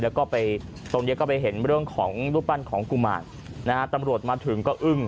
แล้วก็ไปตรงนี้ก็ไปเห็นเรื่องของรูปปั้นของกุมารนะฮะตำรวจมาถึงก็อึ้ง